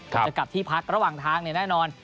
จะกลับที่พักระหว่างทางแน่นอน